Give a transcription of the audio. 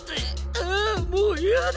ああっもう嫌だ！